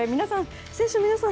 選手の皆さん